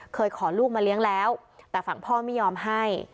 ขอลูกมาเลี้ยงแล้วแต่ฝั่งพ่อไม่ยอมให้